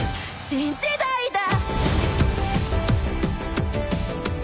「新時代だ」